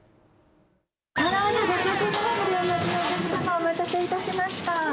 から揚げ５００グラムでお待ちのお客様、お待たせいたしました。